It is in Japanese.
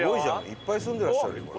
いっぱい住んでらっしゃるよ。